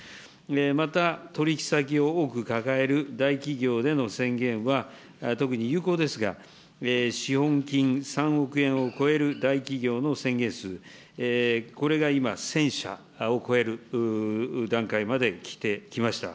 また、取り引き先を多く抱える大企業での宣言は、特に有効ですが、資本金３億円を超える大企業の宣言数、これが今１０００社を超える段階まできました。